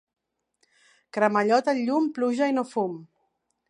Cremallot al llum, pluja i no fum.